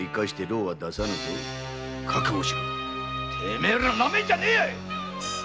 てめえらなめんじゃねえやい！